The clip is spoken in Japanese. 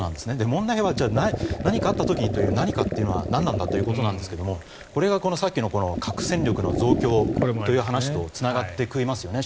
問題はじゃあ何かあった時の何かというのは何なんだということなんですがこれがさっきの核戦力の増強という話とつながってきますよね。